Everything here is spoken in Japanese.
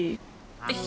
よし。